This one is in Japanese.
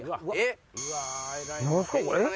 これ。